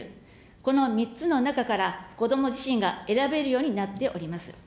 この３つの中から子ども自身が選べるようになっております。